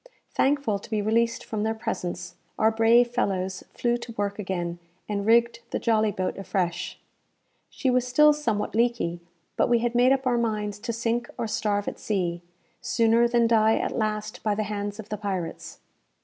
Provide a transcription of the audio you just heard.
Thankful to be released from their presence, our brave fellows flew to work again, and rigged the jolly boat afresh. She was still somewhat leaky; but we had made up our minds to sink or starve at sea, sooner than die at last by the hands of the pirates.